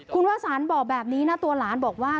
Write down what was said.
คุณวาสันบอกแบบนี้นะตัวหลานบอกว่า